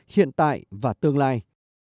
hiện tại và tương lai